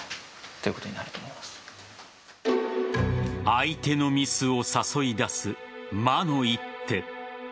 相手のミスを誘い出す魔の一手。